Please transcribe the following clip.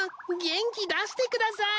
元気出してください！